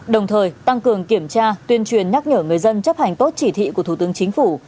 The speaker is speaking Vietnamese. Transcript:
đồng thời tăng cường kiểm tra tuyên truyền nhắc nhở người dân chấp hành tốt chỉ thị của thủ tướng chính phủ